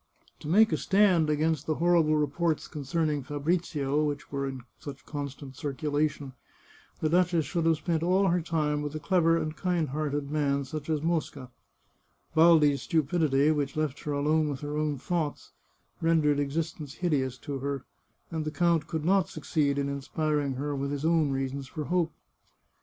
To make a stand against the horrible reports concerning Fabrizio, which were in such constant circulation, the duchess should have spent all her time with a clever and kind hearted man such as Mosca, Baldi's stupidity, which left her alone with her own thoughts, rendered existence hideous to her, and the count could not succeed in inspiring her with his own reasons for hope.